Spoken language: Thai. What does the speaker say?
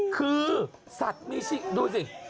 คือสัตว์มีชิดูสิ